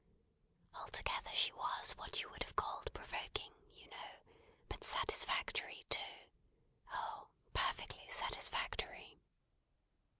Altogether she was what you would have called provoking, you know; but satisfactory, too. Oh, perfectly satisfactory.